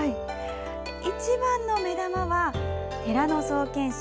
一番の目玉は寺の創建者